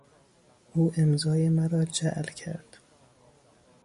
او امضای مرا جعل کرد.